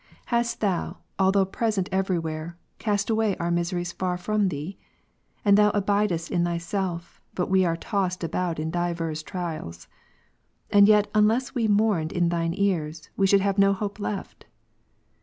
Hast Thou, although present every where, cast away our misery far from Thee ? And Thou abidest in Thy self, but we are tossed about in divers trials. And yet unless we mourned in Thine ears, we should have no hope left.